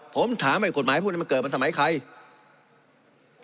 ผมถามไอ้กฎหมายพวกนี้มันเกิดมาสมัยใคร